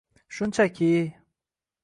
Shunchaki.